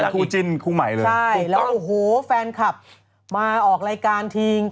คู่จิ้นคู่ใหม่เลยใช่แล้วก็โอ้โหแฟนคลับมาออกรายการที